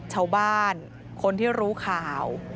ชาวบ้านคนที่รู้ข่าว